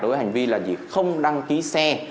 đối với hành vi là gì không đăng ký xe